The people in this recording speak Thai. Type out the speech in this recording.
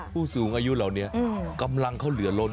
ผู้สูงอายุเหล่านี้กำลังเขาเหลือล้น